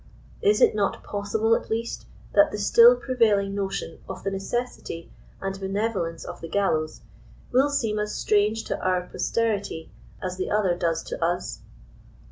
Is it not possible^ at least, that the still prevailing notion of the necessity and benevolence of the gallows, will seem as strange to our posterity as the other does to us?